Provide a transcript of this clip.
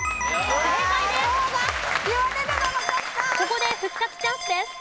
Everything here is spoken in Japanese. ここで復活チャンスです。